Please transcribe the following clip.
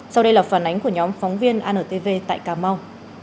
sau đây là phản ánh của nhóm phóng viên antv tại cà mau